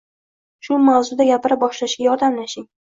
Shu mavzuda gapira boshlashiga yordamlashing